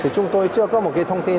chúng tôi chưa có một thông tin